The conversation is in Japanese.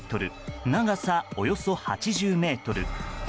長さ、およそ８０ｍ。